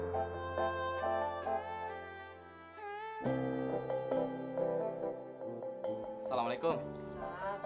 tentang si pibi sebentar